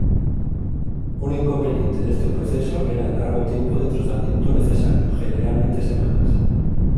Un inconveniente de este proceso era el largo tiempo de tratamiento necesario, generalmente semanas.